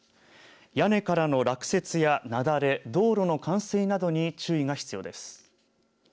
屋根からの落雪や雪崩道路の冠水などに注意が必要です。